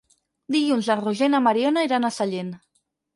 Dilluns en Roger i na Mariona iran a Sallent.